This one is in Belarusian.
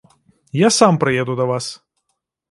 Я сам прыеду да вас.